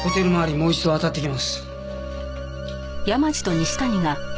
もう一度当たってきます。